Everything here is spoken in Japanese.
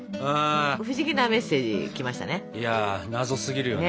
不思議なメッセージ来ましたね。